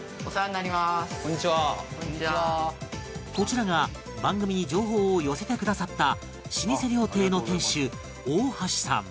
こちらが番組に情報を寄せてくださった老舗料亭の店主大橋さん